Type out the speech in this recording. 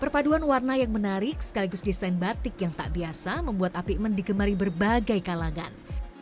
perpaduan warna yang menarik sekaligus desain batik yang tak biasa membuat apikmen digemari berbagai kalangan